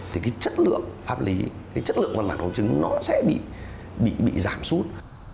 thì cái chất lượng pháp lý cái chất lượng văn phòng công chứng nó sẽ bị giảm suốt